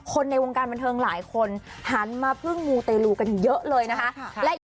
ในวงการบันเทิงหลายคนหันมาพึ่งมูเตลูกันเยอะเลยนะคะ